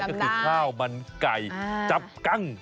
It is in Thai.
ก็คือข้าวมันไก่จับกั้ง